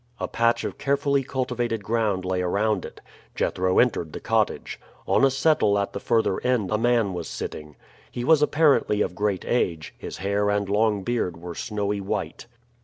A patch of carefully cultivated ground lay around it. Jethro entered the cottage. On a settle at the further end a man was sitting. He was apparently of great age; his hair and long beard were snowy white.